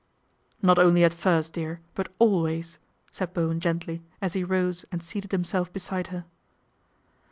" Not only at first, dear, but always," said Bowen gently as he rose and seated himself beside her.